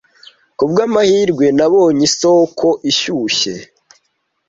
Ku bw'amahirwe, nabonye isoko ishyushye.